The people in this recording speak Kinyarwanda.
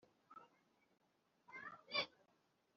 ntaragakorwa nisoni kuva yatangira kwiga